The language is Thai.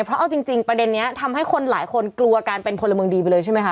เพราะเอาจริงประเด็นนี้ทำให้คนหลายคนกลัวการเป็นพลเมืองดีไปเลยใช่ไหมค